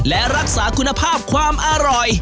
และรักษาคุณภาพความอร่อย